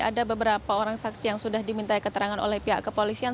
ada beberapa orang saksi yang sudah diminta keterangan oleh pihak kepolisian